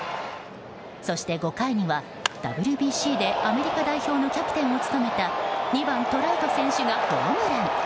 そして５回には、ＷＢＣでアメリカ代表のキャプテンを務めた２番トラウト選手がホームラン。